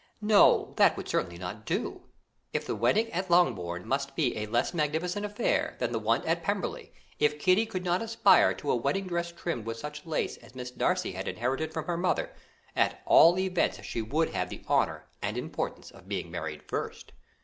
No, that would certainly not do. If the wedding at Longbourn must be a less magnificent affair than the one at Pemberley, if Kitty could not aspire to a wedding dress trimmed with such lace as Miss Darcy had inherited from her mother, at all events she would have the honour and importance of being married first.